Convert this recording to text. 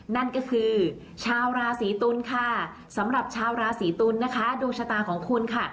นั่นก็คือชาวราศีตุลค่ะสำหรับชาวราศีตุลนะคะดวงชะตาของคุณค่ะ